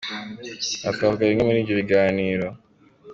Aha twavuga bimwe muri ibyo biganiro :.